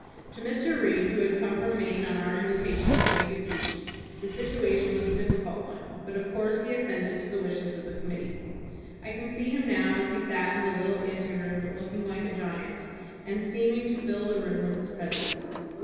To Mr. Reed, who had come from Maine on our invitation to make a speech, the situation was a difficult one, but of course he assented to the wishes of the committee. I can see him now as he sat in the little anteroom, looking like a giant, and seeming to fill the room with his presence.